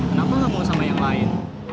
kenapa nggak mau sama yang lain